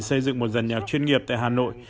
xây dựng một giàn nhạc chuyên nghiệp tại hà nội